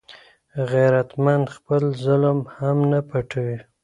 غیرتمند خپل ظلم هم نه پټوي